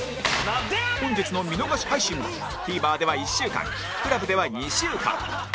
本日の見逃し配信も ＴＶｅｒ では１週間 ＣＬＵＢ では２週間